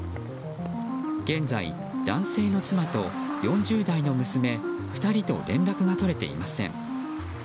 現在、男性の妻と４０代の娘２人と連絡が取れていません。